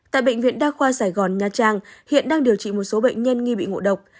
tại bệnh viện đa khoa sài gòn nha trang hiện đang điều trị một số bệnh nhân nghi bị ngộ độc